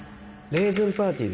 「レーズンパーティー？」